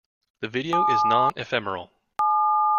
The video is non-ephemeral.